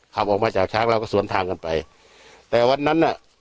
ขับออกมาจากช้างเราก็สวนทางกันไปแต่วันนั้นน่ะ